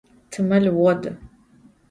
Timel vod.